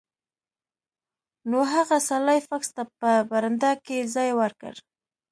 نو هغه سلای فاکس ته په برنډه کې ځای ورکړ